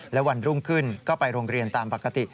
และวันรุ่งขึ้นก็ไปโรงเรียนตามปกติ